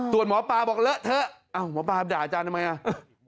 ส่วนหมอปลาบอกเลอะเถอะอ้าวหมอปลาด่าอาจารย์ทำไมอ่ะ